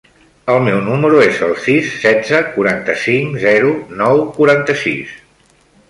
El meu número es el sis, setze, quaranta-cinc, zero, nou, quaranta-sis.